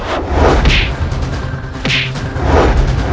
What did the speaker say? saya lakukan perbuatanmu telah jadi senjata